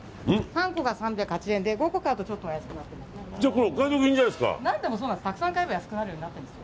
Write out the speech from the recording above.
３個が３８０円で、５個買うとちょっとお安くなっています。